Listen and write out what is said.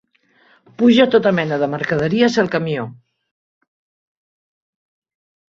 Puja tota mena de mercaderies al camió.